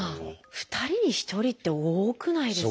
２人に１人って多くないですか？